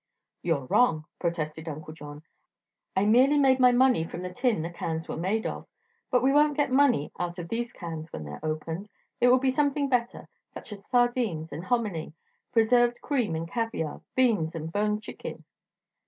"You're wrong," protested Uncle John. "I merely made my money from the tin the cans were made of. But we won't get money out of these cans when they're opened; it will be something better, such as sardines and hominy, preserved cream and caviar, beans and boned chicken."